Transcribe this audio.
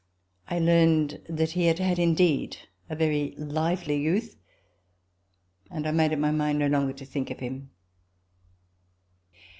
I learned that he had had indeed a very lively youth, and I made up my mind no longer to think of him.